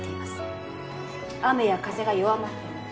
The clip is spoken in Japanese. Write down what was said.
「雨や風が弱まっても」。